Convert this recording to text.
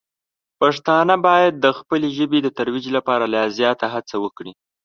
پښتانه باید د خپلې ژبې د ترویج لپاره لا زیاته هڅه وکړي.